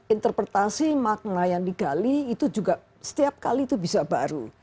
interpretasi makna yang digali itu juga setiap kali itu bisa baru